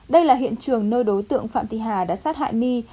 đây là hiện trường nơi đối tượng phạm thị hà đã sát hại my